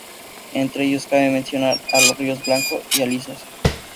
Entre ellos cabe mencionar a los ríos Blanco y Alisos.